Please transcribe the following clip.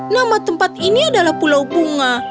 nama tempat ini adalah pulau bunga